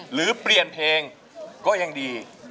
หรือเปลี่ยนเพลงก็ยังดี